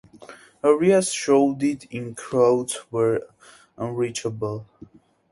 Areas shrouded in clouds were unreachable.